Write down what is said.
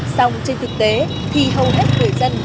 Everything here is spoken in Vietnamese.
xong trên thực tế thì hầu hết người dân